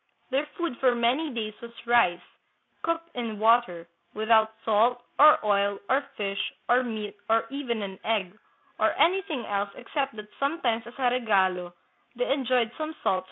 Their food for many days was rice, cooked in water, without salt or oil or fish or meat or even an egg, or anything else except that sometimes as a regalo they enjoyed some salt sardines."